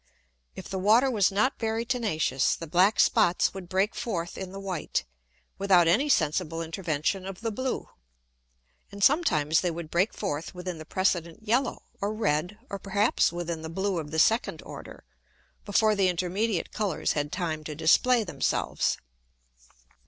If the Water was not very tenacious, the black Spots would break forth in the white, without any sensible intervention of the blue. And sometimes they would break forth within the precedent yellow, or red, or perhaps within the blue of the second order, before the intermediate Colours had time to display themselves.